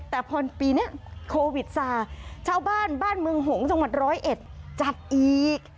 แต่พอปีนี้โควิดซาชาวบ้านบ้านเมืองหงษ์จังหวัดร้อยเอ็ดจัดอีก